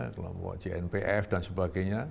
kelompok jnpf dan sebagainya